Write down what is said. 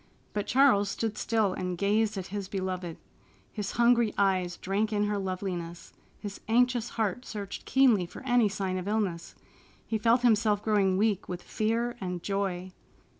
But Charles stood still and gazed at his beloved. His hungry eyes drank in her loveliness, his anxious heart searched keenly for any sign of illness. He felt himself growing weak with fear and joy.